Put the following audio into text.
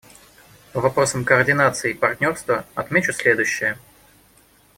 По вопросам координации и партнерства отмечу следующее.